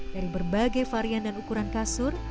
dari berbagai varian dan ukuran kasur